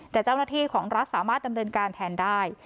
แต่เจ้าหน้าที่ของรัฐสามารถดำเนินการแทนได้